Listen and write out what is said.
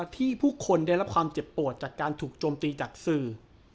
ผู้คนได้รับความเจ็บปวดจากการถูกโจมตีจากสื่อ